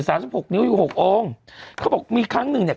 สิบหกนิ้วอยู่หกองค์เขาบอกมีครั้งหนึ่งเนี้ย